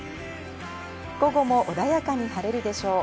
午後も穏やかに晴れるでしょう。